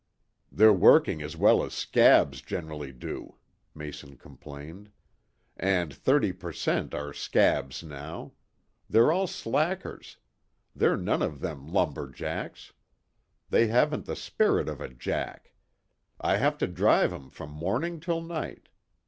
"They're working as well as 'scabs' generally do," Mason complained. "And thirty per cent, are 'scabs,' now. They're all slackers. They're none of them lumber jacks. They haven't the spirit of a 'jack.' I have to drive 'em from morning till night.